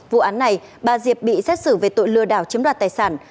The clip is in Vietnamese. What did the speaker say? vụ án này bà diệp bị xét xử về tội lừa đảo chiếm đoạt tài sản